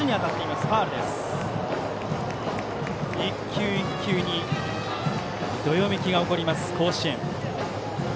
１球１球にどよめきが起こります、甲子園。